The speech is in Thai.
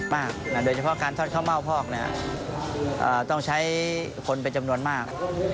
โดยเฉพาะการทอดข้าวเม่าพอกต้องใช้คนเป็นจำนวนมาก